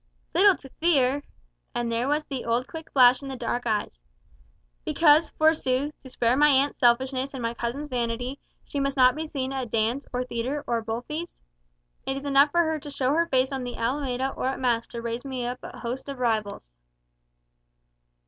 "Little to fear!" and there was the old quick flash in the dark eyes. "Because, forsooth, to spare my aunt's selfishness and my cousin's vanity, she must not be seen at dance, or theatre, or bull feast? It is enough for her to show her face on the Alameda or at mass to raise me up a host of rivals."